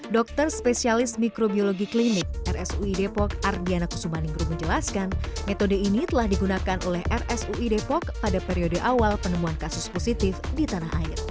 dokter spesialis mikrobiologi klinik rsuidpok ardiana kusumaning berjelaskan metode ini telah digunakan oleh rsuidpok pada periode awal penemuan kasus positif di tanah air